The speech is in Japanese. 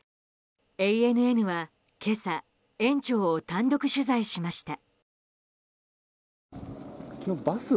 ＡＮＮは今朝園長を単独取材しました。